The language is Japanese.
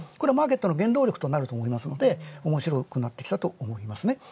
原動力となると思いますので、面白くなってきたと思いますね。